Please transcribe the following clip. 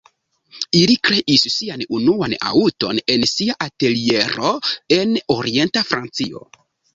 Ili kreis sian unuan aŭton en sia ateliero en orienta Francio.